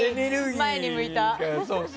前に向いた。